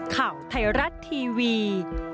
ข่าวไทยรัฐทีวี